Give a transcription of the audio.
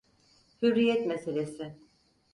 Hürriyet meselesi...